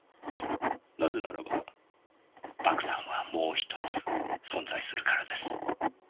なぜならば爆弾はもう１つ存在するからです。